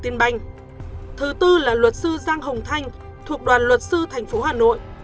thứ banh thứ tư là luật sư giang hồng thanh thuộc đoàn luật sư thành phố hà nội